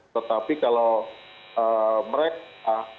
tetapi kalau mereka